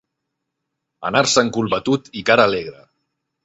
Anar-se'n cul batut i cara alegre.